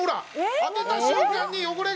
当てた瞬間に汚れが！